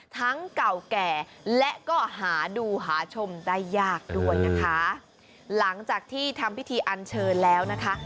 เก่าแก่และก็หาดูหาชมได้ยากด้วยนะคะหลังจากที่ทำพิธีอันเชิญแล้วนะคะ